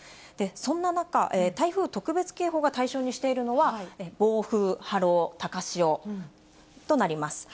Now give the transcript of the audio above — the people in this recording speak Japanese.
そんな中、台風特別警報が対象にしているのは、暴風、波浪、高潮となります。